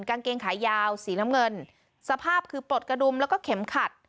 กางเกงขายาวสีน้ำเงินสภาพคือปลดกระดุมแล้วก็เข็มขัด